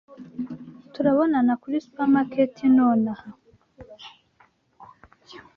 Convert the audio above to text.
Turabonana kuri supermarket nonaha.